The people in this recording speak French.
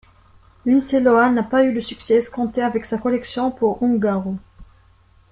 Lindsay Lohan n’a pas eu le succès escompté avec sa collection pour Ungaro.